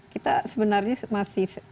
kita sebenarnya masih